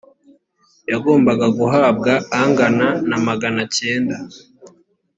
yagombaga guhabwa angana na maganakenda